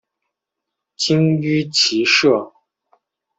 精于骑射。